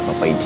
papa dah izin